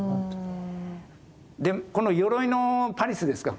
でこのよろいのパリスですか